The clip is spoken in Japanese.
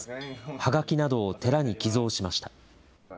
はがきなどを寺に寄贈しました。